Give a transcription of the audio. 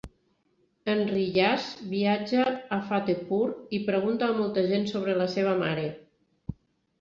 En Riyaz viatja a Fatehpur i pregunta a molta gent sobre la seva mare.